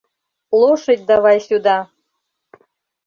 Лошадь давай сюда!